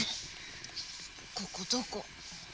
ここどこ？